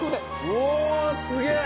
うおすげえ！